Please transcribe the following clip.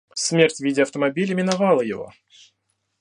Смерть в виде автомобиля миновала его.